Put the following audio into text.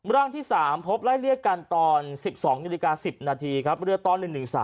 ร่างที่๓พบไล่เลี่ยกันตอน๑๒นาฬิกา๑๐นาทีครับเรือตอน๑๑๓